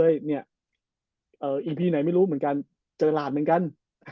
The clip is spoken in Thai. เนี่ยอีพีไหนไม่รู้เหมือนกันเจอหลาดเหมือนกัน